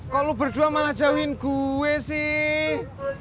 kok lo berdua malah jauhin gue sih